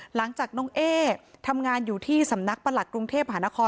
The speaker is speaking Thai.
หลังจากน้องเอ๊ทำงานอยู่ที่สำนักประหลักกรุงเทพหานคร